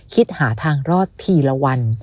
คิดหาทางรอดทีละวัน